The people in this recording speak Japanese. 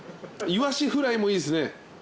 イワシフライおいしいですよ。